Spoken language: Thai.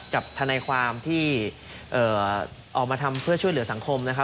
ทนายความที่ออกมาทำเพื่อช่วยเหลือสังคมนะครับ